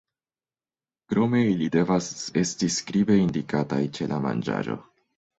Krome ili devas esti skribe indikataj ĉe la manĝaĵo.